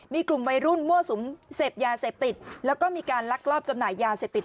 มีกลุ่มวัยรุ่นมั่วสุมเสพยาเสพติดแล้วก็มีการลักลอบจำหน่ายยาเสพติด